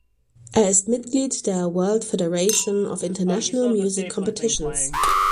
Er ist Mitglied der World Federation of International Music Competitions.